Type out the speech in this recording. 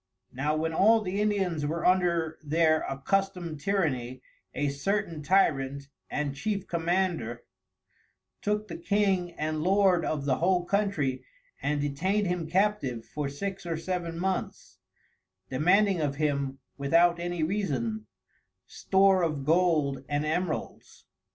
Now when all the Indians were under their accustomed Tyranny: A certain Tyrant, and Chief Commander, took the King and Lord of the whole Countrey, and detain'd him Captive for six or seven moneths, demanding of him, without any reason, store of Gold and Emeralds.